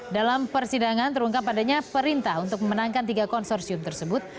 dalam persidangan terungkap adanya perintah untuk memenangkan tiga konsorsium tersebut